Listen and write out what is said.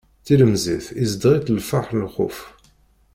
Tilemẓit izdeɣ-itt lferḥ d lxuf.